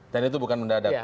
dan itu bukan mendadak